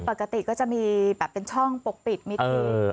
คนปกติก็จะมีแบบเป็นช่องปกปิดนิดหนึ่ง